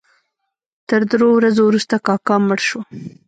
تر درو ورځو وروسته کاکا مړ شو.